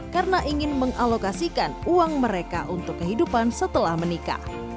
karena ingin mengalokasikan uang mereka untuk kehidupan setelah menikah